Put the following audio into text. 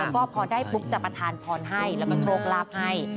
ว่าพอได้ปุ๊บจะมาทานพรให้แล้วมาโทรกราบให้